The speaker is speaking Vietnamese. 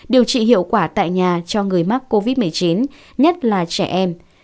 điều trị hiệu quả tại nhà cho người mắc covid một mươi chín nhất là trẻ em